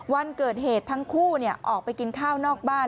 วันเกิดเหตุทั้งคู่ออกไปกินข้าวนอกบ้าน